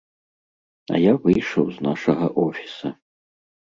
А я выйшаў з нашага офіса.